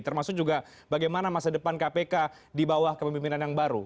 termasuk juga bagaimana masa depan kpk di bawah kepemimpinan yang baru